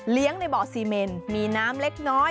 ในบ่อซีเมนมีน้ำเล็กน้อย